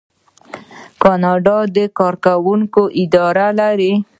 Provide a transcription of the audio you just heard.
کاناډا د کارګرانو اداره لري.